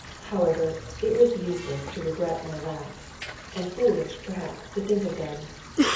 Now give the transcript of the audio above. However, it was useless to regret my lacks, and foolish, perhaps, to think of them.